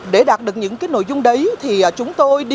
để đạt được những cái nội dung đấy thì chúng tôi